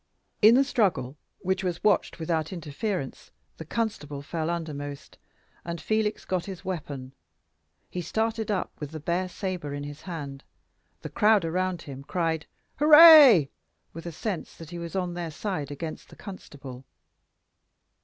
In the struggle, which was watched without interference, the constable fell undermost, and Felix got his weapon. He started up with the bare sabre in his hand. The crowd round him cried "Hurray!" with a sense that he was on their side against the constable.